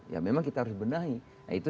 ya memang kita harus benahi nah itu